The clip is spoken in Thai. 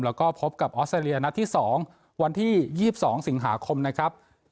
แล้วก็พบกับออสเตรเลียนัดที่๒วันที่๒๒สิงหาคมนะครับ